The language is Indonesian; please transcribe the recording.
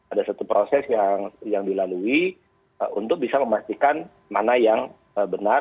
ada satu proses yang dilalui untuk bisa memastikan mana yang benar